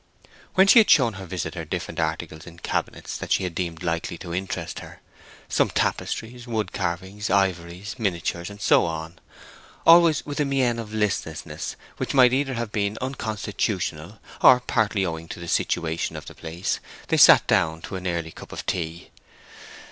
When she had shown her visitor different articles in cabinets that she deemed likely to interest her, some tapestries, wood carvings, ivories, miniatures, and so on—always with a mien of listlessness which might either have been constitutional, or partly owing to the situation of the place—they sat down to an early cup of tea.